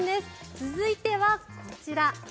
続いてはこちら。